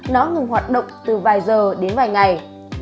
nó ngừng hoạt động từ vài giờ đến vài ngày